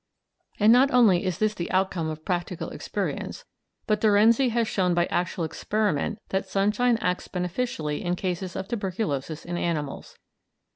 And not only is this the outcome of practical experience, but De Renzi has shown by actual experiment that sunshine acts beneficially in cases of tuberculosis in animals.